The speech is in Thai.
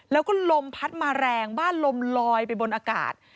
แล้วก็ลมพัดมาแรงบ้านลมลอยไปบนอากาศ